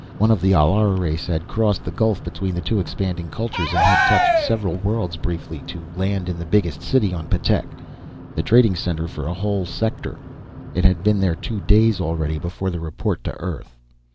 One of the Allr races had crossed the gulf between the two expanding cultures, and had touched several worlds briefly, to land in the biggest city on Ptek, the trading center for a whole sector. It had been there two days already, before being reported to Earth!